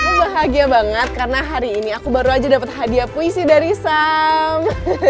aku bahagia banget karena hari ini aku baru aja dapat hadiah puisi dari sam